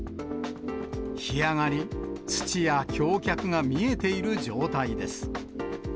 干上がり、土や橋脚が見えている状態です。